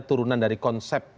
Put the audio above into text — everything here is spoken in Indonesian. turunan dari konsep